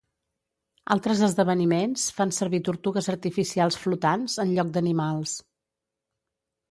Altres esdeveniments fan servir tortugues artificials flotants en lloc d'animals.